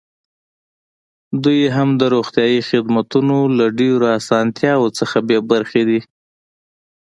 دوی هم د روغتیايي خدمتونو له ډېرو اسانتیاوو څخه بې برخې دي.